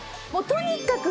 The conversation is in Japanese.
とにかく。